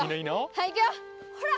はい行くよほら！